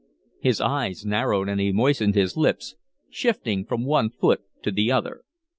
His eyes narrowed and he moistened his lips, shifting from one foot to the other.